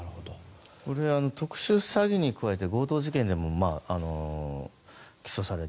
特殊詐欺に加えて強盗事件でも起訴されて。